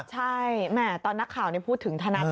ใช่แหมตอนนักข่าวพูดถึงทนาย